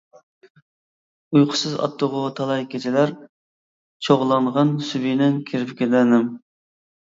ئۇيقۇسىز ئاتتىغۇ تالاي كېچىلەر، چوغلانغان سۈبھىنىڭ كىرپىكىدە نەم.